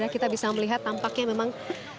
kita bisa melihat tampaknya memang